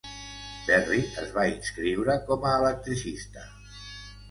Perry es va inscriure com a electricista.